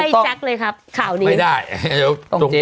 เซฟลักษณียแขยกให้แจ๊คเลยครับ